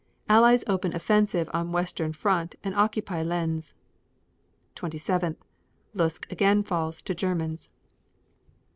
Allies open offensive on western front and occupy Lens. 27. Lutsk again falls to Germans.